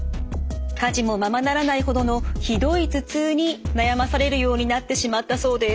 家事もままならないほどのひどい頭痛に悩まされるようになってしまったそうです。